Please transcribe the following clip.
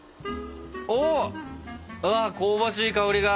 おお！ああ香ばしい香りが！